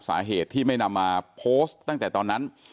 สาเหตุที่ไม่นำมาโพสต์ตั้งแต่ตอนนั้น